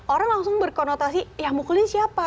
orang langsung berkonotasi ya mukulnya siapa